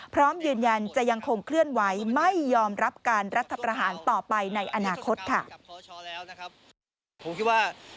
พร้อมยืนยันจะยังคงเคลื่อนไหวไม่ยอมรับการรัฐประหารต่อไปในอนาคตค่ะ